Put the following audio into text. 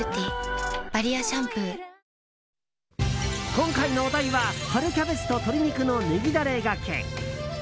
今回のお題は春キャベツと鶏肉のネギダレがけ。